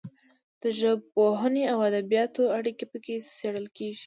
د ژبپوهنې او ادبیاتو اړیکې پکې څیړل کیږي.